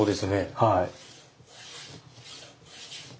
はい。